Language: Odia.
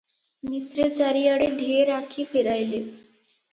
ମିଶ୍ରେ ଚାରିଆଡେ ଢେର ଆଖି ଫେରାଇଲେ ।